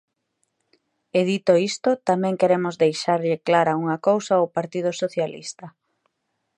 E dito isto, tamén queremos deixarlle clara unha cousa ao Partido Socialista.